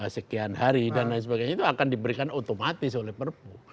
sekian hari dan lain sebagainya itu akan diberikan otomatis oleh perpu